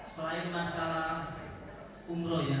selain masalah umrohnya